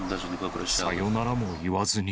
さよならも言わずに。